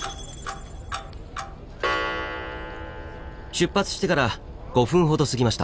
出発してから５分ほど過ぎました。